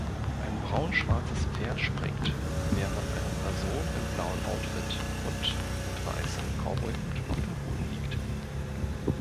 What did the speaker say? Ein braun-schwarzes Pferd springt, während eine Person im blauen Outfit und mit weißem Cowboyhut auf dem Boden liegt